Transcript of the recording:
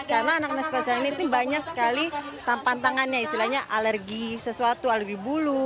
karena anak anak spesial ini banyak sekali pantangannya istilahnya alergi sesuatu alergi bulu